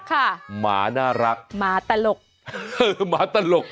หมาน่ารักหมาตลกเออหมาตลก